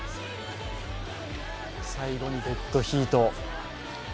最後にデッドヒート。